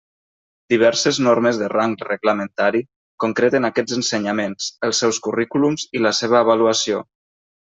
Diverses normes de rang reglamentari concreten aquests ensenyaments, els seus currículums i la seva avaluació.